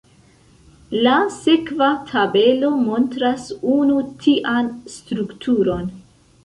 La sekva tabelo montras unu tian strukturon.